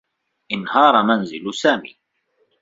انهار منزل سامي.